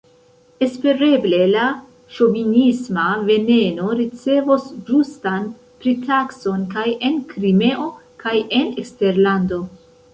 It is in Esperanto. Espereble la ŝovinisma veneno ricevos ĝustan pritakson kaj en Krimeo kaj en eksterlando.